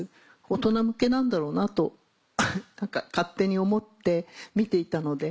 大人向けなんだろうなと何か勝手に思って見ていたので。